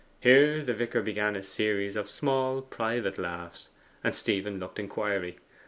Here the vicar began a series of small private laughs, and Stephen looked inquiry.